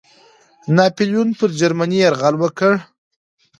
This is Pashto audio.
ناپلیون پر جرمني یرغل وکړ.